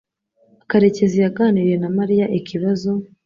Karekezi yaganiriye na Mariya ikibazo